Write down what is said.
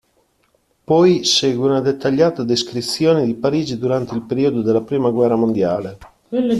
Poi segue una dettagliata descrizione di Parigi durante il periodo della Prima guerra mondiale.